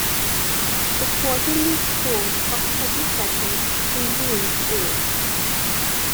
The quarterly Court of Petty Sessions convened here.